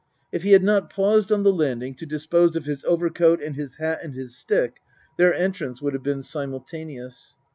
If he had not paused on the landing to dispose of his overcoat and his hat and his stick, their entrance would have been simultaneous.